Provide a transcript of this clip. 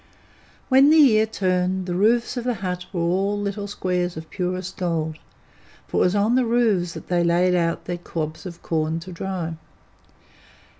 When the year turned, the roofs of the huts were all little squares of purest gold, for it was on the roofs that they laid out their cobs of the corn to dry.